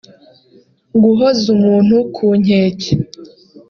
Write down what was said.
guhoza umuntu ku nkeke